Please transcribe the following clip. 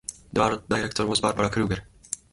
The art director was Barbara Kruger.